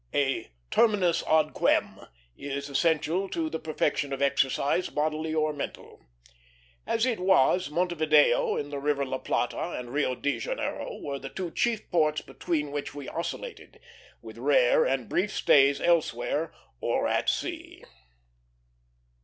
A terminus ad quem is essential to the perfection of exercise, bodily or mental. As it was, Montevideo, in the river La Plata, and Rio de Janeiro were the two chief ports between which we oscillated, with rare and brief stays elsewhere or at sea.